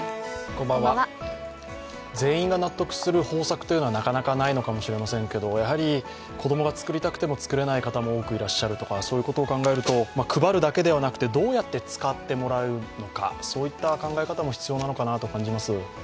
全員が納得する方策というのはなかなかないのかもしれませんが子供が作りたくても作れない方も多くいらっしゃるとか、そういうことを考えると配るだけではなくてどうやって使ってもらうのか、そういった考え方も必要なのかなと感じます